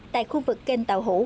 tại khu vực kênh tàu hủ